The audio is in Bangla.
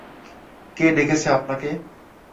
কে ডেকেছে আপনাকে?